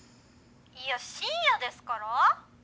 いや深夜ですから！